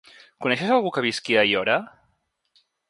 Coneixes algú que visqui a Aiora?